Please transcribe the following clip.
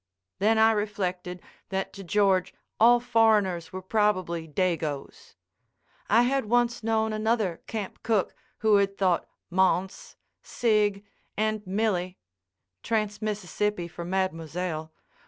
Then I reflected that to George all foreigners were probably "Dagoes." I had once known another camp cook who had thought Mons., Sig., and Millie (Trans Mississippi for Mlle.)